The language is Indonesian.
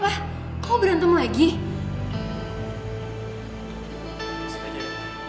tapi kamu sendiri masih keras sekali